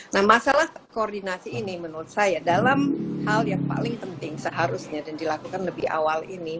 nah masalah koordinasi ini menurut saya dalam hal yang paling penting seharusnya dan dilakukan lebih awal ini